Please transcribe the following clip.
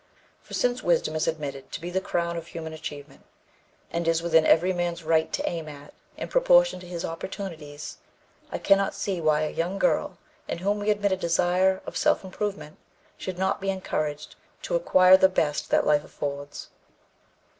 For, since wisdom is admitted to be the crown of human achievement, and is within every man's right to aim at in proportion to his opportunities, I cannot see why a young girl, in whom we admit a desire of self improvement, should not be encouraged to acquire the best that life affords."